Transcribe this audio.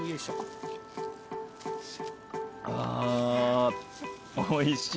あおいしい。